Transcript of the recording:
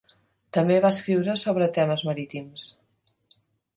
També va escriure sobre temes marítims.